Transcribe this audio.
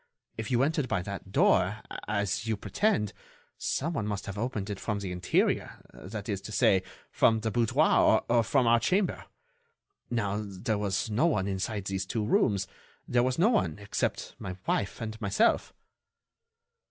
If you entered by that door, as you pretend, some one must have opened it from the interior—that is to say, from the boudoir or from our chamber. Now, there was no one inside these two rooms ... there was no one except my wife and myself."